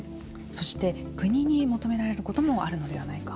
そして、国に求められることもあるのではないか。